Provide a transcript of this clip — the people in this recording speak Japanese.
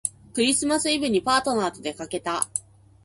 クリスマスイブにパートナーとでかけた